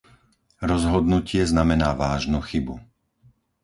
Rozhodnutie znamená vážnu chybu.